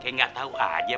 kayak gak tau aja